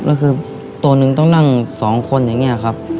ก็คือตัวหนึ่งต้องนั่ง๒คนอย่างนี้ครับ